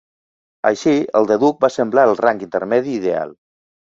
Així, el de duc va semblar el rang intermedi ideal.